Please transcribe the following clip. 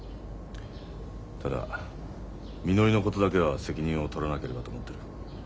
ただみのりのことだけは責任を取らなければと思ってる。